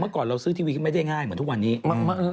ก่อนเราซื้อทีวีก็ไม่ได้ง่ายเหมือนทุกวันนี้